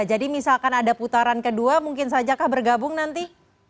jadi misalkan ada putaran kedua mungkin saja bergabung nanti